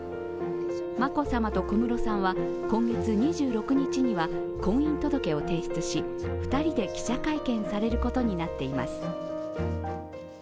眞子さまと小室さんは今月２６日には婚姻届を提出し、２人で記者会見されることになっています。